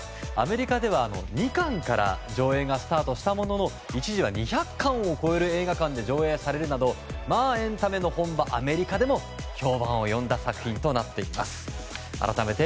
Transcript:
アメリカでは２館から上映がスタートしたものの一時は２００館を超える映画館で上映されるなどまあエンタメの本場アメリカでも評判を呼んだ作品となりました。